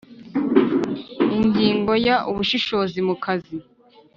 Ingingo ya Ubushishozi mu kazi